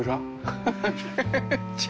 ハハハッ。